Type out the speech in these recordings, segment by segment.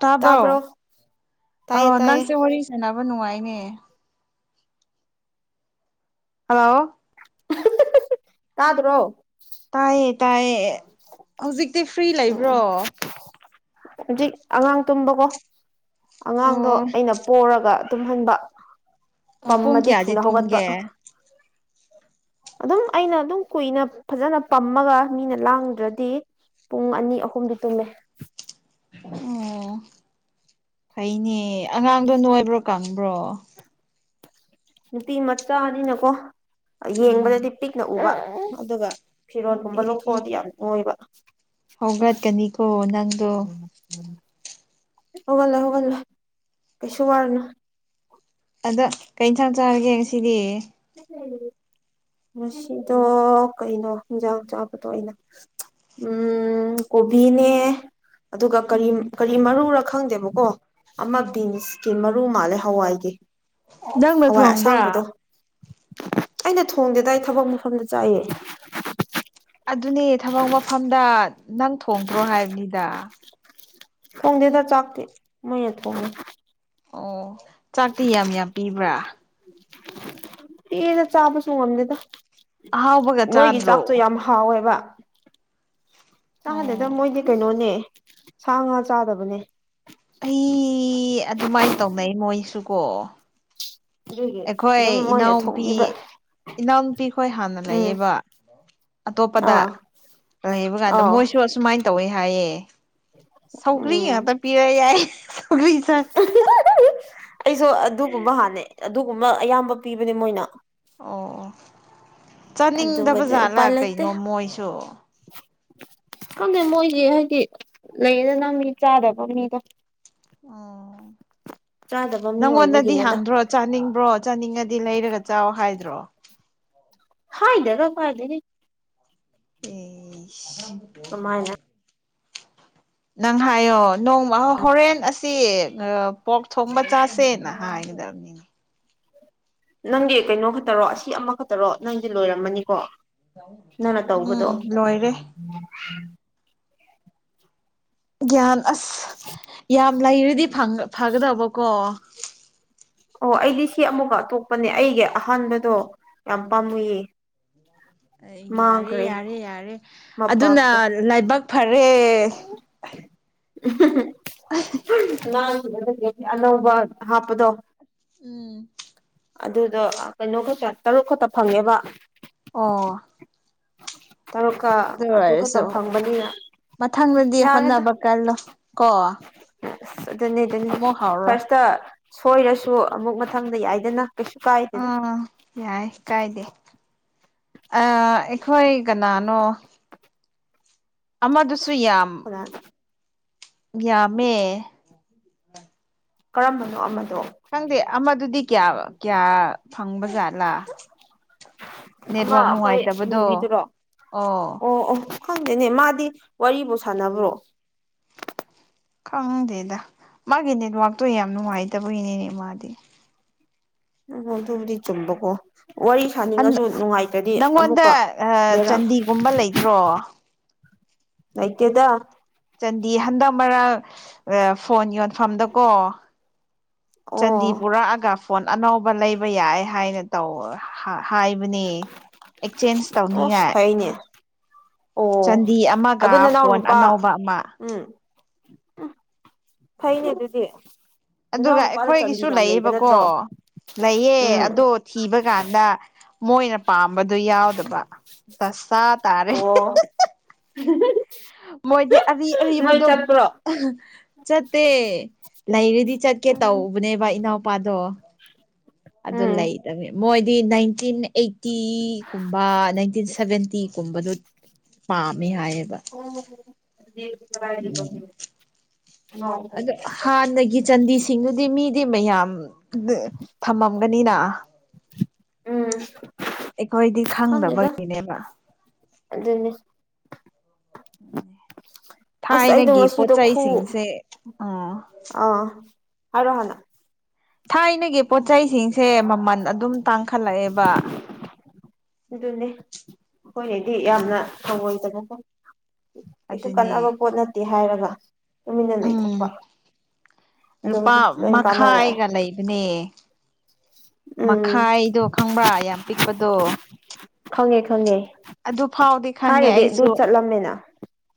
ꯇꯥꯕ꯭ꯔꯣ ꯑ ꯇꯥꯏꯌꯦ ꯇꯥꯏꯌꯦ ꯅꯪꯁꯦ ꯋꯥꯔꯤ ꯁꯥꯅꯕ ꯅꯨꯡꯉꯥꯏꯅꯦ ꯍꯜꯂꯣ ꯇꯥꯗꯔꯣ ꯇꯥꯏꯌꯦ ꯇꯥꯏꯌꯦ ꯍꯧꯖꯤꯛꯇꯤ ꯐ꯭ꯔꯤ ꯎꯝ ꯂꯩꯕ꯭ꯔꯣ ꯎꯝ ꯍꯧꯖꯤꯛ ꯑꯉꯥꯡ ꯇꯨꯝꯕꯀꯣ ꯑꯉꯥꯡꯗꯣ ꯑꯣ ꯑꯩꯅ ꯄꯣꯔꯒ ꯇꯨꯝꯍꯟꯕ ꯄꯝ ꯄꯨꯡ ꯃꯗꯤ ꯀꯌꯥꯗꯤ ꯊꯨꯅ ꯍꯧꯒꯠꯄ ꯇꯨꯝꯒꯦ ꯑꯗꯨꯝ ꯑꯩꯅ ꯑꯗꯨꯝ ꯀꯨꯏꯅ ꯐꯖꯅ ꯄꯝꯃꯒ ꯃꯤꯅ ꯂꯥꯡꯗ꯭ꯔꯗꯤ ꯄꯨꯡ ꯑꯅꯤ ꯑꯍꯨꯝꯗꯤ ꯇꯨꯝꯃꯦ ꯑꯣ ꯐꯩꯅꯦ ꯑꯉꯥꯡꯗꯣ ꯅꯣꯏꯕ꯭ꯔꯣ ꯀꯪꯕ꯭ꯔꯣ ꯅꯨꯄꯤ ꯃꯆꯥꯅꯤꯅꯀꯣ ꯎꯝ ꯌꯦꯡꯕꯗꯗꯤ ꯄꯤꯛꯅ ꯎꯕ ꯑꯗꯨꯒ ꯑꯦ ꯐꯤꯔꯣꯜꯒꯨꯝꯕ ꯑꯦ ꯑꯦ ꯂꯧꯊꯣꯛꯑꯗꯤ ꯌꯥꯝ ꯍꯣꯏꯕ ꯍꯧꯒꯠꯀꯅꯤꯀꯣ ꯅꯪꯗꯣ ꯍꯧꯒꯜꯂꯦ ꯍꯒꯜꯂꯦ ꯀꯩꯁꯨ ꯋꯥꯔꯅ ꯑꯗꯣ ꯀꯩ ꯌꯦꯟꯁꯥꯡ ꯆꯥꯔꯒꯦ ꯉꯁꯤꯗꯤ ꯉꯁꯤꯗꯣ ꯀꯩꯅꯣ ꯍꯤꯟꯖꯥꯡ ꯆꯥꯕꯗꯣ ꯑꯩꯅ ꯎꯝ ꯀꯣꯕꯤꯅꯦ ꯑꯗꯨꯒ ꯀꯔꯤ ꯎꯝ ꯀꯔꯤ ꯃꯔꯨꯔ ꯈꯪꯗꯦꯕꯀꯣ ꯑꯃ ꯕꯤꯟꯁꯀꯤ ꯃꯔꯨ ꯃꯥꯜꯂꯦ ꯍꯋꯥꯏꯒꯤ ꯅꯪꯅ ꯍꯋꯥꯏ ꯊꯣꯡꯕ꯭ꯔꯥ ꯑꯁꯥꯡꯕꯗꯣ ꯑꯩꯅ ꯊꯣꯡꯗꯦꯗ ꯑꯩ ꯊꯕꯛ ꯃꯐꯝꯗ ꯆꯥꯏꯌꯦ ꯑꯗꯨꯅꯦ ꯊꯕꯛ ꯃꯐꯝꯗ ꯅꯪ ꯊꯣꯡꯗ꯭ꯔꯣ ꯍꯥꯏꯕꯅꯤꯗ ꯊꯣꯡꯗꯦꯗ ꯆꯥꯛꯇꯤ ꯃꯣꯏꯅ ꯊꯣꯡꯉꯤ ꯑꯣ ꯆꯥꯛꯇꯤ ꯌꯥꯝ ꯌꯥꯝ ꯄꯤꯕ꯭ꯔꯥ ꯏꯗ ꯆꯥꯕꯁꯨ ꯉꯝꯗꯦꯗ ꯑꯍꯥꯎꯕꯒ ꯃꯣꯏꯒꯤ ꯆꯥꯛꯇꯨ ꯆꯥꯗ꯭ꯔꯣ ꯌꯥꯝ ꯍꯥꯎꯋꯦꯕ ꯆꯥꯗꯦꯗ ꯑꯣ ꯃꯣꯏꯗꯤ ꯀꯩꯅꯣꯅꯦ ꯁꯥ ꯉꯥ ꯆꯥꯗꯕꯅꯦ ꯑꯩ ꯑꯗꯨꯃꯥꯏꯅ ꯇꯧꯅꯩ ꯃꯣꯏꯁꯨ ꯀꯣ ꯑꯗꯨꯒꯤ ꯑꯩꯈꯣꯏ ꯑꯗꯨꯝ ꯃꯣꯏꯅ ꯏꯅꯥꯎꯄꯤ ꯊꯣꯡꯕꯤꯕ ꯏꯅꯥꯎꯅꯨꯄꯤ ꯈꯣꯏ ꯍꯥꯟꯅ ꯎꯝ ꯂꯩꯌꯦꯕ ꯑꯇꯣꯞꯄꯗ ꯑꯥ ꯂꯩꯕ ꯀꯥꯟꯗ ꯑꯥꯎ ꯃꯣꯏꯁꯨ ꯑꯁꯨꯃꯥꯏꯅ ꯇꯧꯋꯦ ꯍꯥꯏꯌꯦ ꯁꯧꯒ꯭ꯔꯤ ꯎꯝ ꯉꯥꯛꯇ ꯄꯤꯔꯛꯑꯦ ꯍꯥꯌꯦ ꯁꯧꯒ꯭ꯔꯤ ꯆꯥꯏ ꯑꯩꯁꯨ ꯑꯗꯨꯒꯨꯝꯕ ꯍꯥꯟꯅꯩ ꯑꯗꯨꯒꯨꯝꯕ ꯑꯌꯥꯝꯕ ꯄꯤꯕꯅꯦ ꯃꯣꯏꯅ ꯑꯣ ꯑꯗꯨꯒꯗꯤ ꯆꯥꯅꯤꯡꯗꯕꯖꯥꯠꯂꯥ ꯎꯄꯥꯏ ꯂꯩꯇꯦ ꯀꯩꯅꯣ ꯃꯣꯏꯁꯨ ꯈꯪꯗꯦ ꯃꯣꯏꯒꯤ ꯍꯥꯏꯗꯤ ꯂꯩꯗꯅ ꯃꯤ ꯆꯥꯗꯕ ꯃꯤꯗꯣ ꯑꯣ ꯆꯥꯗꯕ ꯃꯤ ꯅꯪꯉꯣꯟꯗꯗꯤ ꯑꯣꯏꯕꯒꯤꯅꯦꯗ ꯍꯪꯗ꯭ꯔꯣ ꯆꯥꯅꯤꯡꯕ꯭ꯔꯣ ꯆꯥꯅꯤꯡꯉꯗꯤ ꯂꯩꯔꯒ ꯆꯥꯎ ꯍꯥꯏꯗ꯭ꯔꯣ ꯍꯥꯏꯗꯒ ꯀꯥꯏꯗꯒꯤ ꯎꯟ ꯁꯨꯃꯥꯏꯅ ꯅꯪ ꯍꯥꯏꯌꯣ ꯅꯣꯡꯃ ꯍꯣꯔꯦꯟ ꯑꯁꯤ ꯄꯣꯛ ꯊꯣꯡꯕ ꯆꯥꯁꯦꯅ ꯍꯥꯏꯒꯗꯕꯅꯤꯅ ꯅꯪꯒꯤ ꯀꯩꯅꯣ ꯈꯛꯇꯔꯣ ꯑꯁꯤ ꯑꯃꯈꯛꯇꯔꯣ ꯅꯪꯗꯤ ꯂꯣꯏꯔꯝꯃꯅꯤꯀꯣ ꯅꯪꯅ ꯇꯧꯕꯗꯣ ꯎꯝ ꯂꯣꯏꯔꯦ ꯒ꯭ꯌꯥꯟ ꯑꯁ ꯌꯥꯝ ꯂꯩꯔꯗꯤ ꯐꯒꯗꯕꯀꯣ ꯑꯣ ꯑꯩꯗꯤ ꯁꯤ ꯑꯃꯨꯛꯒ ꯑꯇꯣꯞꯄꯅꯦ ꯑꯩꯒꯤ ꯑꯍꯥꯟꯕꯗꯣ ꯌꯥꯝ ꯎꯝ ꯄꯥꯝꯃꯨꯌꯦ [inaudible] ꯌꯥꯔꯦ ꯃꯥꯡꯈ꯭ꯔꯦ ꯌꯥꯔꯦ ꯌꯥꯔꯦ ꯑꯗꯨꯅ ꯃꯄꯥꯛꯇꯣ ꯂꯥꯏꯕꯛ ꯐꯔꯦ ꯉꯥꯡꯈꯤꯕꯗꯒꯤ ꯑꯅꯧꯕ ꯍꯥꯞꯄꯗꯣ ꯎꯝ ꯑꯗꯨꯗꯣ ꯀꯩꯅꯣ ꯈꯛꯇ ꯇꯔꯨꯛ ꯈꯛꯇ ꯐꯪꯉꯦꯕ ꯑꯣ ꯇꯔꯨꯛꯀ ꯑꯗꯨ ꯈꯛꯇꯪ ꯐꯪꯕꯅꯤꯅ ꯃꯊꯪꯗꯗꯤ ꯌꯥꯔꯗ ꯍꯣꯠꯅꯕ ꯀꯜꯂꯣ ꯀꯣ ꯑꯗꯨꯅꯤ ꯑꯗꯨꯅꯤ ꯑꯃꯨꯛ ꯍꯧꯔꯣ ꯐꯔꯁꯇ ꯁꯣꯏꯔꯁꯨ ꯑꯃꯨꯛ ꯃꯊꯪꯗ ꯌꯥꯏꯗꯅ ꯀꯩꯁꯨ ꯀꯥꯏꯗꯦꯗ ꯑꯥ ꯌꯥꯏ ꯀꯥꯏꯗꯦ ꯑꯥ ꯑꯩꯈꯣꯏ ꯀꯅꯥꯅꯣ ꯑꯃꯗꯨꯁꯨ ꯌꯥꯝ ꯀꯅꯥ ꯌꯥꯝꯃꯦ ꯀꯔꯝꯕꯅꯣ ꯑꯃꯗꯣ ꯈꯪꯗꯦ ꯑꯃꯗꯨꯗꯤ ꯀꯌꯥ ꯀꯌꯥ ꯐꯪꯕꯖꯥꯠꯂꯥ ꯑꯃ ꯅꯦꯠꯋꯔꯛ ꯑꯩꯈꯣꯏ ꯅꯨꯡꯉꯥꯏꯇꯕꯗꯣ ꯃꯨꯕꯤꯗꯨꯔꯣ ꯑꯣ ꯈꯪꯗꯦꯅꯦ ꯃꯥꯗꯤ ꯋꯥꯨ ꯁꯥꯟꯅꯕ꯭ꯔꯣ ꯈꯪꯗꯦꯗ ꯃꯥꯒꯤ ꯅꯦꯠꯋꯥꯛꯇꯣ ꯌꯥꯝ ꯅꯨꯡꯉꯥꯏꯇꯕꯒꯤꯅꯦꯅꯦ ꯃꯥꯗꯤ ꯎ ꯑꯗꯨꯕꯨꯗꯤ ꯆꯨꯝꯕꯀꯣ ꯋꯥꯔꯤ ꯁꯥꯅꯤꯡꯉꯁꯨ ꯍꯟꯗꯛ ꯅꯨꯡꯉꯥꯏꯇ꯭ꯔꯗꯤ ꯑꯃꯨꯛꯀ ꯂꯩꯔꯛꯑꯒ ꯒꯨꯝꯕ ꯂꯩꯇ꯭ꯔꯣ ꯂꯩꯇꯦꯗꯥ ꯆꯟꯗꯤ ꯍꯟꯗꯛ ꯃꯔꯛ ꯐꯣꯟ ꯌꯣꯟꯐꯝꯗꯀꯣ ꯆꯥꯟꯗꯤ ꯑꯣ ꯄꯨꯔꯛꯑꯒ ꯐꯣꯟ ꯑꯅꯧꯕ ꯂꯩꯕ ꯌꯥꯏ ꯍꯥꯏꯅ ꯇꯧꯋ ꯍꯥꯏ ꯍꯥꯏꯕꯅꯦ ꯑꯦꯛꯆꯦꯟꯁ ꯑꯣꯁ ꯇꯧꯅꯤꯉꯥꯏ ꯐꯩꯅꯦ ꯑꯣ ꯆꯥꯟꯗꯤ ꯑꯃꯒ ꯑꯗꯨ ꯅꯅꯥꯎ ꯐꯣꯟ ꯅꯨꯄꯥ ꯑꯅꯧꯕ ꯑꯃ ꯎꯝ ꯐꯩꯅꯦ ꯑꯗꯨꯗꯤ ꯅꯅꯥꯎ ꯑꯗꯨꯒ ꯅꯨꯄꯥꯗ ꯑꯩꯈꯣꯏꯒꯤꯁꯨ ꯆꯥꯟꯗꯤ ꯌꯥꯝ ꯂꯩꯕ ꯂꯩꯌꯦꯕꯀꯣ ꯅꯠꯇ꯭ꯔꯣ ꯂꯩꯌꯦ ꯎꯝ ꯑꯗꯣ ꯊꯤꯕ ꯀꯥꯟꯗ ꯃꯣꯏꯅ ꯄꯥꯝꯕꯗꯨ ꯌꯥꯎꯗꯕ ꯇꯁ ꯆꯥ ꯇꯥꯔꯦ ꯍꯨꯃ ꯃꯣꯏꯗꯤ ꯑꯔꯤ ꯑꯔꯤꯕꯗꯣ ꯆꯠꯇꯦ ꯂꯩꯔꯗꯤ ꯆꯠꯀꯦ ꯎꯝ ꯇꯧꯕꯅꯦꯕ ꯏꯅꯥꯎꯄꯥꯗꯣ ꯑꯗꯨ ꯎꯝ ꯂꯩꯇꯕꯅꯦ ꯃꯣꯏꯗꯤ ꯅꯥꯏꯟꯇꯤꯟ ꯑꯩꯠꯇꯤꯒꯨꯝꯕ ꯅꯥꯏꯟꯇꯤꯟ ꯁꯚꯦꯟꯇꯤ ꯨꯝꯕꯗꯨ ꯄꯥꯝꯃꯦ ꯍꯥꯏꯌꯦꯕ ꯑꯣ ꯄꯔꯥꯏꯕ ꯎꯝ ꯑꯗꯣ ꯍꯥꯟꯅꯒꯤ ꯆꯟꯗꯤꯁꯤꯡꯗꯨꯗꯤ ꯃꯤꯗꯤ ꯃꯌꯥꯝ ꯊꯝꯃꯝꯒꯅꯤꯅ ꯎꯝ ꯑꯩꯈꯣꯏꯗꯤ ꯈꯪꯗꯦꯗꯥ ꯈꯪꯗꯕꯒꯤꯅꯦꯕ ꯑꯗꯨꯅꯤ ꯑꯁ ꯑꯩꯗꯣ ꯊꯥꯏꯅꯒꯤ ꯄꯣꯠ ꯉꯁꯤꯗꯣ ꯈꯨ ꯆꯩꯁꯤꯡꯁꯦ ꯑꯣ ꯑ ꯍꯥꯏꯔꯣ ꯊꯥꯏꯅꯒꯤ ꯄꯣꯠ ꯆꯩꯁꯤꯡꯁꯦ ꯃꯃꯜ ꯑꯗꯨꯝ ꯇꯥꯡꯈꯠꯂꯛꯑꯦꯕ ꯑꯗꯨꯅꯦ ꯑꯩꯈꯣꯏꯅꯗꯤ ꯌꯥꯝꯅ ꯊꯑꯣꯏꯗꯅ ꯐ ꯀꯩꯁꯨ ꯑꯗꯨꯅꯦ ꯀꯥꯟꯅꯕ ꯄꯣꯠ ꯅꯠꯇꯦ ꯍꯥꯏꯔꯒ ꯇꯨꯃꯤꯟꯅ ꯎꯝ ꯂꯩꯊꯣꯛꯄ ꯑꯗꯣ ꯂꯨꯄꯥ ꯍꯧꯖꯤꯛꯇꯤ ꯂꯣꯏ ꯀꯥꯟꯅꯔꯛꯑꯦ ꯃꯈꯥꯏꯒ ꯂꯩꯕꯅꯦ ꯎꯝ ꯃꯈꯥꯏꯗꯣ ꯈꯪꯕ꯭ꯔ ꯌꯥꯝ ꯄꯤꯛꯄꯗꯣ ꯈꯪꯉꯦ ꯈꯪꯉꯦ ꯑꯗꯨ ꯐꯥꯎꯗꯤ ꯈꯪꯉꯦ ꯊꯥꯏꯅꯗꯤ ꯑꯗꯨ ꯑꯩꯁꯨ ꯆꯠꯂꯝꯃꯦꯅ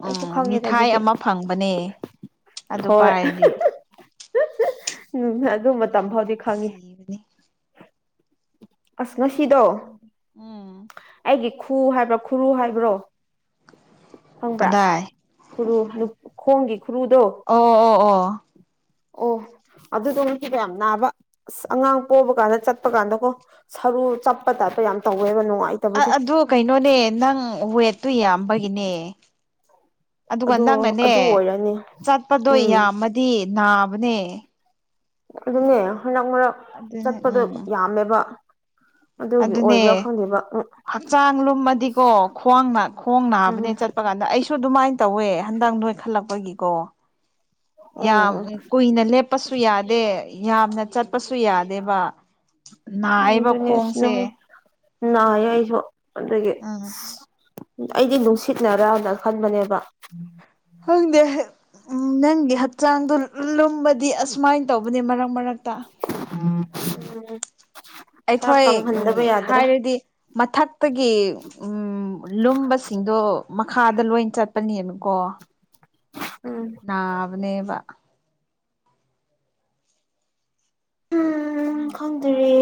ꯑꯩꯁꯨ ꯎꯝ ꯈꯪꯉꯦꯗ ꯃꯤꯊꯥꯏ ꯑꯗꯨꯗꯤ ꯑꯃ ꯐꯪꯕꯅꯦ ꯑꯗꯨ ꯍꯣꯏ ꯄꯥꯏꯔꯗꯤ ꯎꯝ ꯑꯗꯨ ꯃꯇꯝ ꯌꯥꯝ ꯐꯥꯎꯗꯤ ꯈꯪꯉꯦ ꯅꯨꯡꯁꯤꯕꯅꯤ ꯑꯁ ꯉꯁꯤꯗꯣ ꯎꯝ ꯑꯩꯒꯤ ꯈꯨ ꯍꯥꯏꯕ꯭ꯔꯥ ꯈꯨꯔꯨ ꯍꯥꯏꯕ꯭ꯔꯣ ꯈꯪꯕ꯭ꯔꯥ ꯀꯗꯥꯏ ꯈꯨꯔꯨ ꯈꯣꯡꯒꯤ ꯈꯨꯔꯨꯗꯣ ꯑꯣ ꯑꯣ ꯑꯣ ꯑꯣ ꯑꯗꯨꯗꯣꯅ ꯀꯕ ꯌꯥꯝ ꯅꯥꯕ ꯑꯁ ꯑꯉꯥꯡ ꯄꯣꯕ ꯀꯥꯟꯗ ꯆꯠꯄ ꯀꯥꯟꯗꯀꯣ ꯁꯔꯨ ꯆꯞꯄ ꯇꯥꯏꯞꯄ ꯌꯥꯝ ꯇꯧꯋꯦꯕ ꯅꯨꯡꯉꯥꯏꯇꯦ ꯑ ꯑꯗꯨ ꯀꯩꯅꯣꯅꯦ ꯅꯪ ꯋꯦꯠꯇꯨ ꯌꯥꯝꯕꯒꯤꯅꯦ ꯑꯗꯨꯒ ꯑꯗꯣ ꯅꯪꯅꯅꯦ ꯑꯗꯨ ꯑꯣꯏꯔꯅꯤ ꯆꯠꯄꯗꯣ ꯎꯝ ꯌꯥꯝꯃꯗꯤ ꯅꯥꯕꯅꯦ ꯑꯗꯨꯅꯦ ꯍꯟꯗꯛ ꯃꯔꯛ ꯑꯗꯨꯅꯦ ꯆꯠꯄꯗꯣ ꯎꯝ ꯌꯥꯝꯃꯦꯕ ꯑꯗꯨꯒꯤ ꯑꯗꯨꯅꯦ ꯑꯣꯏꯕ꯭ꯔꯥ ꯈꯪꯗꯦꯕ ꯎꯝ ꯍꯛꯆꯥꯡ ꯂꯨꯝꯃꯗꯤꯀꯣ ꯈ꯭ꯋꯥꯡ ꯈꯣꯡ ꯅꯥꯕꯅꯦ ꯎꯝ ꯆꯠꯄ ꯀꯥꯟꯗ ꯑꯩ ꯑꯗꯨꯃꯥꯏꯅ ꯇꯧꯋꯦ ꯍꯟꯗꯛ ꯅꯣꯏꯈꯜꯂꯛꯄꯒꯤꯀꯣ ꯌꯥꯝ ꯎꯝ ꯀꯨꯏꯅ ꯂꯦꯞꯄꯁꯨ ꯁꯨ ꯌꯥꯗꯦ ꯌꯥꯝꯅ ꯆꯠꯄꯁꯨ ꯌꯥꯗꯦꯕ ꯅꯥꯏꯌꯦꯕ ꯑꯗꯨꯅꯦ ꯑꯁ ꯈꯣꯡꯁꯦ ꯅꯣꯏ ꯅꯥꯏꯌꯦ ꯑꯩꯁꯨ ꯑꯗꯒꯤ ꯎꯝ ꯑꯩꯗꯤ ꯅꯨꯡꯁꯤꯠꯅꯔꯅ ꯈꯟꯕꯅꯦꯕ ꯍꯪꯗꯦ ꯎ ꯅꯪꯒꯤ ꯍꯛꯆꯥꯡꯗꯣ ꯂꯨꯝꯕꯗꯤ ꯑꯁꯨꯃꯥꯏꯅ ꯇꯧꯕꯅꯤ ꯃꯔꯛ ꯃꯔꯛꯇ ꯎꯝ [unintelligible] ꯑꯩꯈꯣꯏ ꯎ ꯀꯪꯍꯟꯗꯕ ꯌꯥꯗ꯭ꯔꯦ ꯍꯥꯏꯔꯗꯤ ꯃꯊꯛꯇꯒꯤ ꯎꯝ ꯂꯨꯝꯕꯁꯤꯡꯗꯣ ꯃꯈꯥꯗ ꯂꯣꯏ ꯆꯠꯄꯅꯦꯕꯀꯣ ꯎꯝ ꯅꯕꯅꯦꯕ ꯎꯝ ꯈꯪꯗꯔꯦ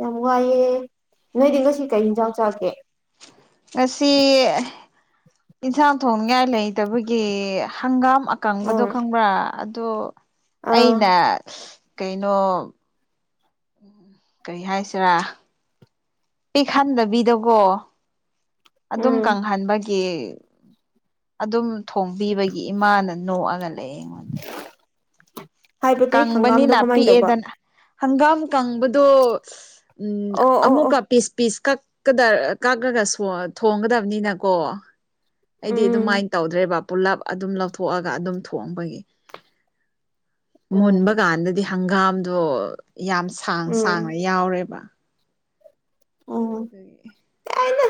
ꯌꯥꯝ ꯋꯥꯏꯑꯦ ꯅꯣꯏꯗꯤ ꯉꯁꯤ ꯀꯩ ꯌꯦꯟꯖꯥꯡ ꯆꯥꯒꯦ ꯉꯁꯤ ꯏꯟꯁꯥꯡ ꯊꯣꯡꯅꯤꯉꯥꯏ ꯂꯩꯇꯕꯒꯤ ꯍꯪꯒꯥꯝ ꯑꯀꯪꯕꯗꯣ ꯑꯪ ꯈꯪꯕ꯭ꯔꯥ ꯑꯗꯣ ꯑꯥ ꯑꯩꯅ ꯀꯩꯅꯣ ꯀꯔꯤ ꯍꯥꯏꯁꯤꯔꯥ ꯄꯤꯛꯍꯟꯗꯕꯤꯗꯀꯣ ꯑꯗꯨꯝ ꯎꯝ ꯀꯪꯍꯟꯕꯒꯤ ꯀ ꯑꯗꯨꯝ ꯊꯣꯡꯕꯤꯕꯒꯤ ꯏꯃꯥꯅ ꯅꯣꯛꯑꯒ ꯂꯩ ꯑꯩꯉꯣꯟꯗ [inaudible] ꯍꯪꯒꯥꯝꯗꯣ ꯀꯪꯕꯅꯤꯅ ꯀꯃꯥꯏꯅ ꯇꯧꯕ ꯄꯤꯛꯑꯦꯗꯅ ꯍꯪꯒꯥꯝ ꯀꯪꯕꯗꯣ ꯑꯣ ꯑꯣ ꯑꯣ ꯑꯃꯨꯛꯀ ꯄꯤꯁ ꯄꯤꯁ ꯀꯛ ꯀꯛꯂꯒ ꯀꯛꯂꯒꯁꯨ ꯊꯣꯡꯒꯗꯕꯅꯤꯅꯀꯣ ꯑꯩꯗꯤ ꯎꯝ ꯑꯗꯨꯃꯥꯏꯅ ꯇꯧꯗ꯭ꯔꯦ ꯕ ꯄꯨꯂꯞ ꯑꯗꯨꯝ ꯂꯧꯊꯣꯛꯑꯒ ꯑꯗꯨꯝ ꯊꯣꯡꯕꯒꯤ ꯎꯝ ꯃꯨꯟꯕ ꯀꯥꯟꯗꯗꯤ ꯍꯪꯒꯥꯝꯗꯣ ꯌꯥꯝ ꯁꯥꯡ ꯁꯥꯡꯅ ꯎꯝ ꯌꯥꯎꯔꯦꯕ [unintelligible] ꯌꯥꯏꯅ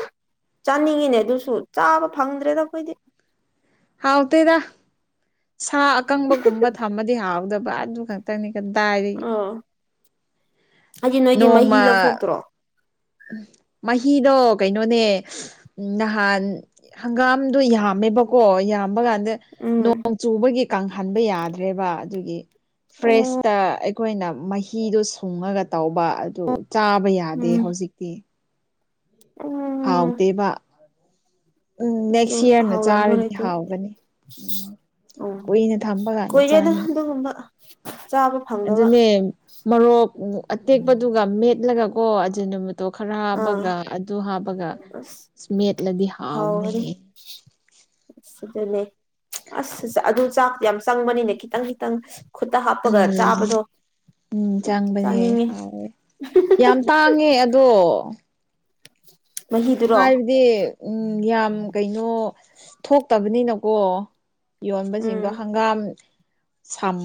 ꯆꯥꯅꯤꯡꯉꯤꯅꯦ ꯑꯗꯨꯁꯨ ꯆꯥꯕ ꯐꯪꯗ꯭ꯔꯦꯗ ꯑꯩꯈꯣꯏꯗꯤ ꯍꯥꯎꯇꯦꯗ ꯁꯥ ꯑꯀꯪꯕ ꯒꯨꯝꯕ ꯊꯝꯃꯗꯤ ꯍꯥꯎꯗꯧꯕ ꯑꯗꯨ ꯇꯪꯗꯤ ꯀꯥꯗꯥꯏꯗꯒꯤ ꯑꯥ ꯍꯥꯏꯗꯤ ꯅꯣꯏꯗꯤ ꯃꯍꯤ ꯅꯣꯡꯃ ꯂꯧꯊꯣꯛꯇ꯭ꯔꯣ ꯎꯝ ꯃꯍꯤꯗꯣ ꯀꯩꯅꯣꯅꯦ ꯎꯝ ꯅꯍꯥꯟ ꯍꯪꯒꯥꯝꯗꯣ ꯌꯥꯝꯃꯦꯕꯀꯣ ꯌꯥꯝꯕ ꯀꯥꯟꯗ ꯎꯝ ꯅꯣꯡꯆꯨꯕꯒꯤ ꯀꯪꯍꯟꯕ ꯌꯥꯗ꯭ꯔꯦꯕ ꯑꯗꯨꯒꯤ ꯑꯣ ꯐ꯭ꯔꯦꯁꯇ ꯑꯩꯈꯣꯏꯅ ꯃꯍꯤꯗꯣ ꯁꯨꯡꯉꯒ ꯇꯧꯕ ꯑꯗꯨ ꯆꯥꯕ ꯌꯥꯗꯦ ꯎꯝ ꯍꯧꯖꯤꯛꯇꯤ ꯎꯝ ꯍꯥꯎꯇꯦꯕ ꯎꯝ ꯑꯗꯨ ꯅꯦꯛꯁ ꯏꯌꯥꯔꯅ ꯍꯥꯎꯔꯝꯃꯔꯣꯏ ꯆꯥꯔꯗꯤ ꯑꯗꯨ ꯍꯥꯎꯒꯅꯤ ꯎꯝ ꯀꯨꯏꯅ ꯊꯝꯕ ꯀꯥꯟꯗ ꯀꯨꯏꯔꯦꯗ ꯆꯥꯅꯤꯉꯥꯏ ꯑꯗꯨꯒꯨꯝꯕ ꯆꯥꯕ ꯐꯪꯗꯕ ꯑꯗꯨꯅꯦ ꯃꯣꯔꯣꯛ ꯑꯇꯦꯛꯄꯗꯨꯒ ꯃꯦꯠꯂꯒꯀꯣ ꯑꯗꯨ ꯅꯨꯃꯤꯠ ꯇꯣ ꯈꯔ ꯑꯥ ꯍꯥꯞꯄꯒ ꯑꯗꯨ ꯍꯥꯞꯄꯒ ꯑꯁ ꯁ꯭ꯃꯦꯠꯂꯗꯤ ꯍꯥꯎꯅꯩꯍꯦ [inaudible] ꯑꯗꯨꯨꯅꯦ ꯑꯁ ꯑꯗꯨ ꯆꯥꯛ ꯌꯥꯝ ꯆꯪꯕꯅꯤꯅꯦ ꯈꯤꯇꯪ ꯈꯤꯇꯪ ꯈꯨꯠꯇ ꯍꯥꯞꯄꯒ ꯎꯝ ꯆꯥꯕꯗꯣ ꯎꯝ ꯆꯪꯕꯅꯦ ꯆꯥꯅꯤꯡꯉꯤ ꯍꯥꯎꯋꯦ ꯌꯥꯝ ꯇꯥꯡꯉꯦ ꯑꯗꯣ ꯃꯍꯤꯗꯨꯔꯣ ꯍꯥꯏꯕꯗꯤ ꯎꯝ ꯌꯥꯝ ꯀꯩꯅꯣ ꯊꯣꯛꯇꯕꯅꯤꯅꯀꯣ ꯌꯣꯟꯕꯁꯤꯡꯗꯣ ꯎꯝ ꯍꯪꯒꯥꯝ ꯁꯝ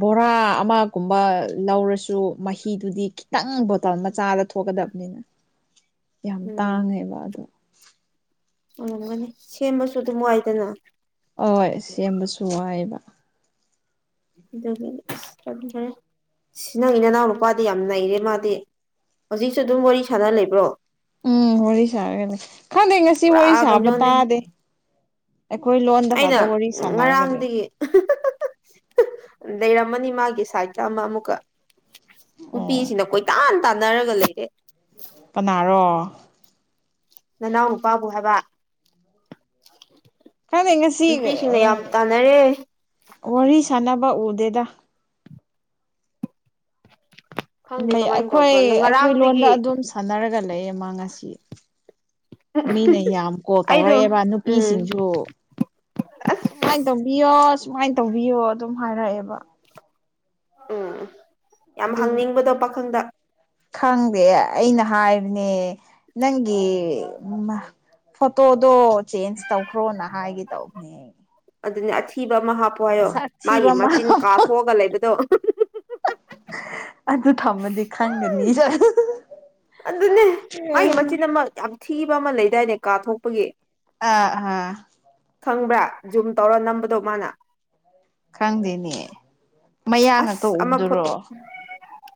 ꯕꯣꯔꯥ ꯑꯃꯒꯨꯝꯕ ꯂꯧꯔꯁꯨ ꯃꯍꯤꯗꯨꯗꯤ ꯈꯤꯇꯪ ꯕꯣꯇꯜ ꯃꯆꯥꯗ ꯊꯣꯛꯀꯗꯕꯅꯤꯅ [unintelligible] ꯌꯥꯝ ꯎꯝ ꯇꯥꯡꯉꯦꯕ ꯑꯗꯣ ꯉꯝꯒꯅꯤ ꯁꯦꯝꯕꯁꯨ ꯑꯗꯨꯝ ꯋꯥꯏꯗꯅ ꯍꯣꯏ ꯁꯦꯝꯕꯁꯨ ꯋꯥꯏꯑꯕ ꯑꯗꯨ ꯏꯁꯔ ꯁꯤ ꯅꯪ ꯏ ꯅꯅꯥꯎ ꯅꯨꯄꯥꯗꯤ ꯌꯥꯝ ꯅꯩꯔꯦ ꯃꯥꯗꯤ ꯍꯧꯖꯤꯛꯁꯨ ꯑꯗꯨꯝ ꯋꯥꯔꯤ ꯁꯥꯟꯅ ꯂꯩꯕ꯭ꯔꯣ ꯎꯝ ꯋꯥꯔꯤ ꯁꯥꯔꯒꯅꯤ ꯈꯪꯗꯦ ꯉꯁꯤ ꯄꯨꯔꯥ ꯋꯥꯔꯤ ꯁꯥꯕ ꯀꯩꯅꯣꯅꯦ ꯇꯥꯗꯦ ꯑꯩꯈꯣꯏ ꯂꯣꯟꯗ ꯑꯩꯅ ꯈꯛꯇ ꯋꯥꯔꯤ ꯁꯥꯟꯅꯔꯒ ꯂꯩ ꯉꯔꯥꯡꯗꯒꯤ ꯂꯩꯔꯝꯃꯅꯤ ꯃꯥꯒꯤ ꯁꯥꯏꯗꯀ ꯑꯃ ꯑꯃꯨꯛꯀ ꯑꯣ ꯅꯨꯄꯤꯁꯤꯅ ꯀꯣꯏꯇꯥꯟ ꯇꯥꯟꯅꯔꯒ ꯂꯩꯔꯦ ꯄꯅꯥꯔꯣ ꯅꯅꯥꯎ ꯅꯨꯄꯥꯕꯨ ꯍꯥꯏꯕ ꯈꯪꯗꯦ ꯉꯁꯤ ꯅꯨꯄꯤꯁꯤꯡꯅ ꯌꯥꯝ ꯇꯥꯟꯅꯔꯦ ꯋꯥꯔꯤ ꯁꯥꯟꯅꯕ ꯎꯗꯦꯗ ꯎꯝ ꯈꯪꯗꯦ ꯂꯩ ꯀꯃꯥꯏꯅ ꯑꯩꯈꯣꯏ ꯇꯧꯕ꯭ꯔꯣ ꯑꯩꯈꯣꯏ ꯂꯣꯟꯗ ꯉꯔꯥꯡꯗꯒꯤ ꯑꯗꯨꯝ ꯁꯥꯟꯅꯔꯒ ꯂꯩꯌꯦ ꯃꯅꯥ ꯉꯁꯤ ꯃꯤꯅ ꯌꯥꯝ ꯀꯣ ꯑꯩꯗꯣ ꯇꯧꯔꯛꯑꯦꯕ ꯎꯝ ꯅꯨꯄꯤꯁꯤꯡꯁꯨ ꯁꯨꯃꯥꯏꯅ ꯇꯧꯕꯤꯌꯣ ꯁꯨꯃꯥꯏꯅ ꯇꯧꯕꯤꯌꯣ ꯑꯗꯨꯝ ꯍꯥꯏꯔꯛꯑꯦꯕ ꯎꯝ ꯌꯥꯝ ꯑꯗꯨꯒꯤ ꯍꯪꯅꯤꯡꯕꯗꯣ ꯄꯥꯈꯪꯗ ꯈꯪꯗꯦ ꯑꯩꯅ ꯍꯥꯏꯕꯅꯦ ꯅꯪꯒꯤ ꯐꯣꯇꯣꯗꯣ ꯆꯦꯟꯖ ꯇꯧꯈ꯭ꯔꯣꯅ ꯍꯥꯏꯒꯦ ꯇꯧꯕꯅꯦ ꯑꯗꯨꯅꯦ ꯑꯊꯤꯕ ꯑꯃ ꯍꯥꯞꯄꯣ ꯍꯥꯏꯌꯣ ꯅꯁꯛ ꯊꯤꯕ ꯃꯥꯒꯤ ꯑꯃ ꯃꯆꯤꯟ ꯀꯥꯊꯣꯛꯑꯒ ꯂꯩꯕꯗꯣ ꯑꯗꯨ ꯊꯝꯃꯗꯤ ꯈꯪꯒꯅꯤ ꯑꯗꯨꯅꯦ ꯃꯥꯒꯤ ꯃꯆꯤꯟ ꯑꯃ ꯌꯥꯝ ꯊꯤꯕ ꯑꯃ ꯂꯩꯗꯥꯏꯅꯦ ꯀꯥ ꯊꯣꯛꯣꯛꯄꯒꯤ ꯑꯥ ꯑꯥ ꯈꯪꯕ꯭ꯔꯥ ꯖꯨꯝ ꯇꯧꯔ ꯅꯝꯕꯗꯣ ꯃꯥꯅ ꯈꯪꯗꯦꯅꯦ ꯃꯌꯥ ꯉꯥꯛꯇ ꯑꯁ ꯑꯃ ꯐꯣꯇꯣ ꯎꯗꯨꯔꯣ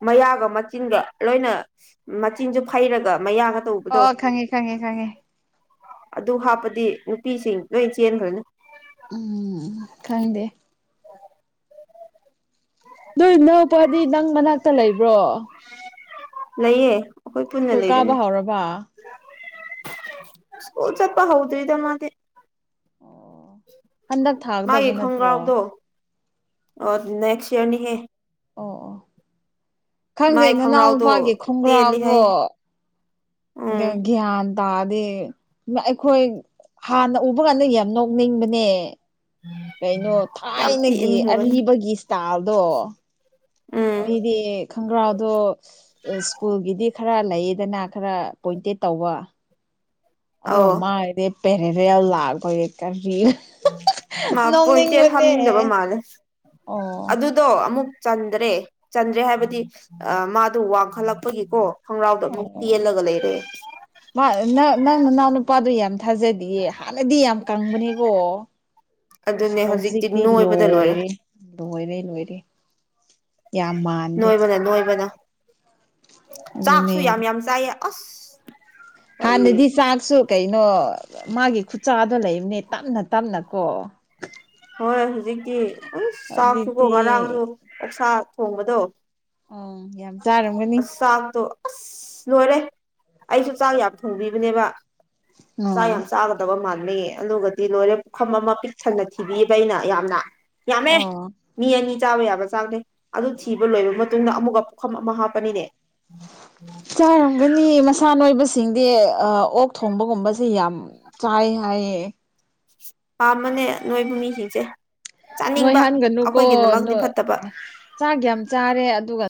ꯃꯌꯥꯒ ꯃꯆꯤꯟꯒ ꯂꯣꯏꯅ ꯃꯆꯤꯟꯁꯨ ꯐꯩꯔꯒ ꯃꯌꯥꯒ ꯇꯧꯕꯗꯣ ꯑꯣ ꯈꯪꯉꯦ ꯈꯪꯉꯦ ꯈꯪꯉꯦ ꯑꯗꯨ ꯍꯥꯞꯄꯗꯤ ꯅꯨꯄꯤꯁꯤꯡ ꯂꯣꯏ ꯆꯦꯟꯈ꯭ꯔꯅꯤ ꯎꯝ ꯈꯪꯗꯦ ꯅꯣꯏ ꯅꯅꯥꯎꯄꯥꯗꯤ ꯅꯪ ꯃꯅꯥꯛꯇ ꯂꯩꯕ꯭ꯔꯣ ꯂꯩꯌꯦ ꯑꯩꯈꯣꯏ ꯄꯨꯟꯅ ꯁ꯭ꯀꯨꯜ ꯀꯥꯕ ꯂꯩꯕꯅꯤ ꯍꯧꯔꯕ ꯁꯜ ꯁꯄ ꯍꯗ꯭ꯔ ꯏꯗ ꯃꯥꯗꯤꯦ ꯍꯟꯗꯛ ꯃꯥꯒꯤ ꯊꯥꯒꯗꯕ ꯅꯠꯇ꯭ꯔꯣ ꯈꯣꯡꯒ꯭ꯔꯥꯎꯗꯣ ꯑꯣ ꯅꯦꯛꯁ ꯏꯔꯅꯤꯍꯦ ꯑꯣ ꯑꯣ ꯈꯪꯗꯦ ꯃꯥꯏ ꯅꯅꯥꯎ ꯈꯣꯡꯒ꯭ꯔꯥꯎꯗꯣ ꯅꯨꯨꯄꯥꯒꯤ ꯇꯦꯜꯂꯤ ꯍꯥꯏ ꯈꯣꯡꯒ꯭ꯔꯥꯎꯗꯣ ꯎꯝ ꯭ꯒꯌ꯭ꯥꯟ ꯇꯥꯔꯗꯤ ꯑꯩꯈꯣꯏ ꯍꯥꯟꯅ ꯎꯕ ꯀꯥꯟꯗ ꯌꯥꯝ ꯅꯣꯛꯅꯤꯡꯕꯅꯦ ꯀꯩꯅꯣ ꯌꯥꯝ ꯊꯤ ꯊꯥꯏꯅꯒꯤ ꯏꯟꯈ꯭ꯔꯕꯅꯦ ꯑꯔꯤꯕꯒꯤ ꯏꯁꯇꯥꯏꯜꯗꯣ ꯎꯝ ꯃꯤꯗꯤ ꯈꯣꯡꯒ꯭ꯔꯥꯗꯣ ꯁ꯭ꯀꯨꯜꯒꯤꯗꯤ ꯈꯔ ꯂꯩꯌꯦꯗꯅ ꯈꯔ ꯄꯣꯏꯟꯇꯦꯠ ꯇꯧꯕ ꯑꯧ ꯑꯗꯨꯒ ꯃꯥꯒꯤꯗꯤ ꯄꯦꯔꯦꯔꯦꯜ ꯂꯥꯛꯄꯒꯤ ꯀꯔꯤꯅ ꯃꯥ ꯄꯣꯏꯟꯇꯦꯠ ꯅꯣꯡꯅꯤꯡꯕꯅꯦ ꯑꯣ ꯑꯗꯣ ꯑꯃꯨꯛ ꯆꯟꯗ꯭ꯔꯦ ꯆꯟꯗ꯭ꯔꯦ ꯍꯥꯏꯕꯗꯤ ꯑꯥ ꯃꯥꯗꯣ ꯋꯥꯡꯈꯠꯂꯛꯄꯒꯤꯀꯣ ꯈꯣꯡꯒ꯭ꯔꯥꯎꯗꯣ ꯑꯃꯨꯛ ꯑꯣ ꯇꯦꯜꯂꯒ ꯂꯩꯔꯦ ꯃꯥ ꯅ ꯅꯪ ꯅꯅꯥꯎꯅ ꯅꯨꯄꯥꯗꯨꯣ ꯌꯥꯝ ꯊꯥꯖꯗꯤꯌꯦ ꯍꯥꯟꯅꯗꯤ ꯌꯥꯝ ꯀꯪꯕꯅꯦꯀꯣ ꯏꯁ ꯍꯧꯖꯤꯛꯇꯤ ꯂꯣꯏꯔꯦ ꯂꯣꯏꯔ ꯂꯣꯏꯔꯦ ꯌꯥꯝ ꯃꯥꯟꯗꯦ ꯅꯣꯏꯕꯅ ꯅꯣꯏꯕꯅ ꯆꯥꯛꯁꯨ ꯌꯥꯝ ꯑꯗꯨꯅꯦ ꯌꯥꯝ ꯆꯥꯏꯌꯦ ꯑꯁ ꯍꯥꯟ ꯀꯔꯤ ꯅ ꯗꯤ ꯆꯥꯛꯁꯨ ꯀꯩꯅꯣ ꯃꯥꯒꯤ ꯈꯨꯠꯆꯥꯥꯗꯣ ꯂꯩꯕꯅꯦ ꯇꯞꯅ ꯇꯞꯅ ꯀꯣ ꯍꯣꯏ ꯍꯧꯖꯤꯛꯇꯤ ꯎ ꯆꯥꯛꯁꯨꯀꯣ ꯍꯧꯖꯤꯛꯇꯤ ꯉꯔꯥꯡꯁꯨ ꯑꯣꯛꯁꯥ ꯊꯣꯡꯕꯗꯣ ꯑꯣ ꯌꯥꯝ ꯆꯥꯔꯝꯒꯅꯤ ꯑꯁ ꯆꯥꯛꯇꯣ ꯑꯁ ꯂꯣꯏꯔꯦ ꯑꯩꯁꯨ ꯆꯥꯛ ꯌꯥꯝ ꯊꯣꯡꯕꯤꯕꯅꯦꯕ ꯆꯥꯛ ꯑꯣ ꯌꯥꯝ ꯆꯥꯕ ꯗꯕ ꯃꯥꯥꯟꯂ‌‌ꯦ ꯑꯗꯨꯒꯗꯤ ꯂꯣꯏꯔꯦ ꯄꯨꯈꯝ ꯑꯃ ꯄꯤꯛ ꯊꯟꯅ ꯊꯤꯕꯤꯕ ꯑꯩꯅ ꯌꯥꯝꯅ ꯌꯥꯝꯃꯦ ꯑꯣ ꯃꯤ ꯑꯅꯤ ꯆꯥꯕ ꯌꯥꯕ ꯆꯥꯛꯅꯦ ꯑꯗꯨ ꯊꯤꯕ ꯂꯣꯏꯕ ꯃꯇꯨꯡꯗ ꯑꯃꯨꯛꯀ ꯄꯨꯈꯝ ꯑꯃ ꯍꯥꯞꯄꯅꯤꯅꯦ ꯆꯥꯔꯝꯒꯅꯤ ꯃꯁꯥꯟꯅꯣꯏꯕꯁꯤꯡꯗꯤ ꯑꯩ ꯑꯣꯛ ꯊꯣꯡꯕꯒꯨꯝꯕꯁꯦ ꯌꯥꯝ ꯆꯥꯏ ꯍꯥꯏꯌꯦ ꯄꯥꯝꯕꯅꯦ ꯅꯣꯏꯕ ꯃꯤꯁꯤꯡꯁꯦ ꯆꯥꯅꯤꯡꯕ ꯑꯩꯈꯣꯏꯒꯤꯗꯃꯛꯗꯤ ꯐꯠꯇꯕ ꯆꯥꯒ ꯌꯥꯝ ꯆꯥꯔꯦ ꯑꯗꯨꯒ